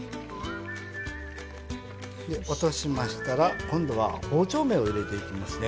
落としましたら今度は包丁目を入れていきますね。